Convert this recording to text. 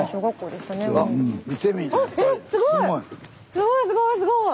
すごいすごいすごい！